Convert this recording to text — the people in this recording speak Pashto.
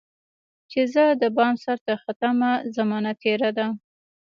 چي زه دبام سرته ختمه، زمانه تیره ده